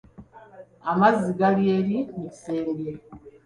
Amazzi gali eri mu kisenge.